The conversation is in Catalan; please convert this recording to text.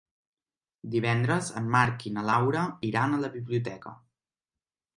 Divendres en Marc i na Laura iran a la biblioteca.